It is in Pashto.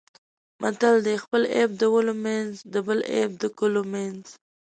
متل دی: خپل عیب د ولو منځ د بل عیب د کلو منځ دی.